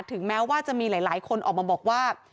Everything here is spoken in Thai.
ถึงแม้ว่าจะมีหลายคนออกมาบอกว่า